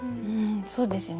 そうですよね。